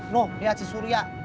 nuh lihat si surya